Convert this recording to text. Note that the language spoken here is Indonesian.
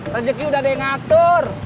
rezeki udah ada yang ngatur